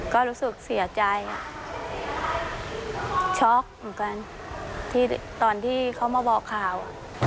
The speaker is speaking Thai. ก็รู้สึกเสียใจช็อกเหมือนกันที่ตอนที่เขามาบอกข่าว